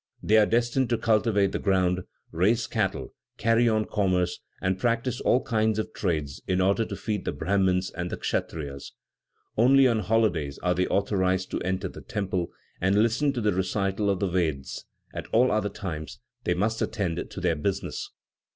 They are destined to cultivate the ground, raise cattle, carry on commerce and practice all kinds of trades in order to feed the Brahmins and the Kshatriyas. Only on holidays are they authorized to enter the temple and listen to the recital of the Vedas; at all other times they must attend to their business.